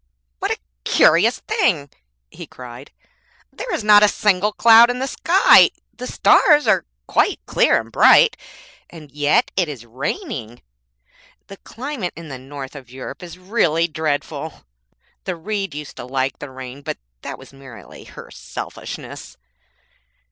'What a curious thing!' he cried, 'there is not a single cloud in the sky, the stars are quite clear and bright, and yet it is raining. The climate in the north of Europe is really dreadful. The Reed used to like the rain, but that was merely her selfishness.'